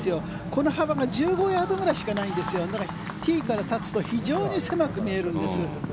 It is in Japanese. この幅が１５ヤードくらいしかないのでティーに立つと非常に狭く見えるんです。